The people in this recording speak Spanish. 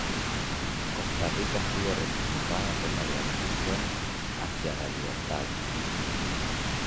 Costa Rica estuvo representada por la organización Hacia la Libertad.